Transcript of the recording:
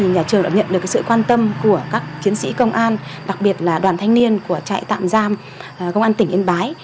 nhà trường đã nhận được sự quan tâm của các chiến sĩ công an đặc biệt là đoàn thanh niên của trại tạm giam công an tỉnh yên bái